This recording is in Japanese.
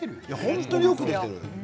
本当によくできてる。